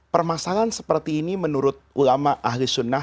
permasalahan seperti ini menurut ulama ahli sunnah